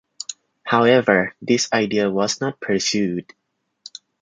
However, this idea was not pursued.